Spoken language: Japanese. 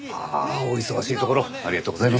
お忙しいところありがとうございました。